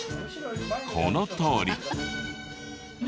このとおり。